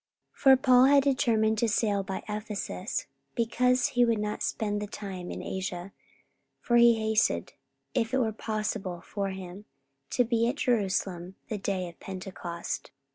44:020:016 For Paul had determined to sail by Ephesus, because he would not spend the time in Asia: for he hasted, if it were possible for him, to be at Jerusalem the day of Pentecost.